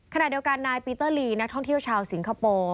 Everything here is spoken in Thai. ขณะเดียวกันนายปีเตอร์ลีนักท่องเที่ยวชาวสิงคโปร์